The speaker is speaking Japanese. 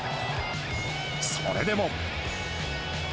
それでも。